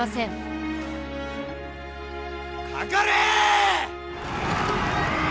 かかれ！